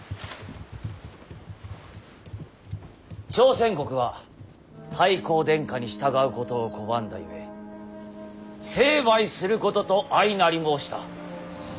朝鮮国は太閤殿下に従うことを拒んだゆえ成敗することと相なり申した。